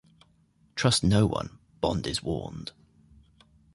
"Trust no one," Bond is warned.